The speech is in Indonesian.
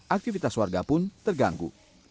aktivitas warga pun terganggu